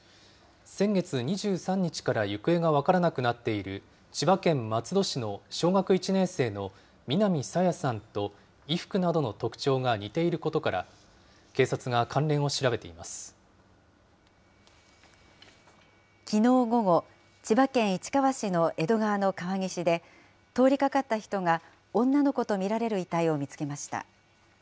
先月２３日から行方が分からなくなっている千葉県松戸市の小学１年生の南朝芽さんと衣服などの特徴が似ていることから、警察きのう午後、千葉県市川市の江戸川の川岸で、通りかかった人が、女の子と見られる遺体を見つけました。